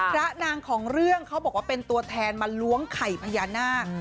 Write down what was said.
พระนางของเรื่องเขาบอกว่าเป็นตัวแทนมาล้วงไข่พญานาค